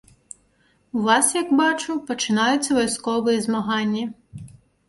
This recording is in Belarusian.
У вас, як бачу, пачынаюцца вайсковыя змаганні.